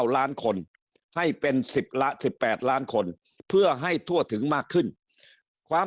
ล้านคนให้เป็น๑๘ล้านคนเพื่อให้ทั่วถึงมากขึ้นความ